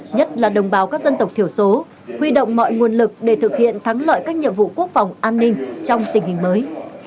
nhất là đồng bào các dân tộc thiểu số huy động mọi nguồn lực để thực hiện thắng lợi các nhiệm vụ quốc phòng an ninh trong tình hình mới